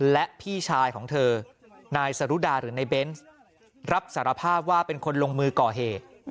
และพี่ชายของเธอนายสรุดาหรือในเบนส์รับสารภาพว่าเป็นคนลงมือก่อเหตุ